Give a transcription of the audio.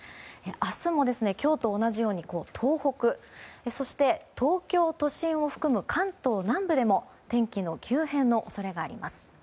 明日も今日と同じように東北そして、東京都心を含む関東南部でも天気の急変の恐れがあります。